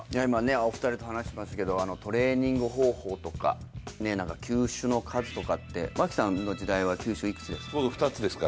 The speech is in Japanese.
お二人と話してましたけどトレーニング方法とか球種の数とかって、槙原さんの時代は球種いくつですか？